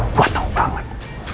gue tahu kangen